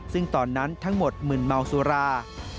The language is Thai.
ซึ่งตอนนั้นทั้งหมดมึนเมาสุรา